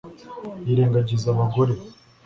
Yirengagiza abagore